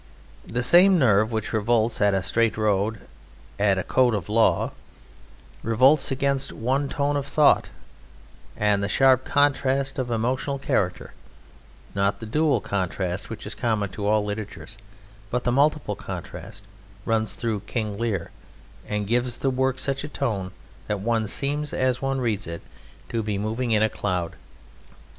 The same nerve which revolts at a straight road and at a code of law revolts against one tone of thought, and the sharp contrast of emotional character, not the dual contrast which is common to all literatures, but the multiple contrast, runs through "King Lear" and gives the work such a tone that one seems as one reads it to be moving in a cloud.